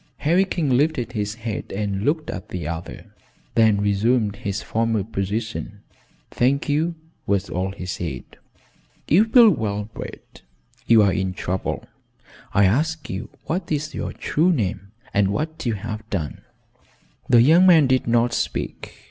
Harry King lifted his head and looked at the other, then resumed his former position. "Thank you," was all he said. "You've been well bred. You're in trouble. I ask you what is your true name and what you have done?" The young man did not speak.